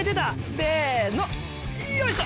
せのよいしょ。